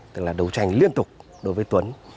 tức là đấu tranh liên tục đối với tuấn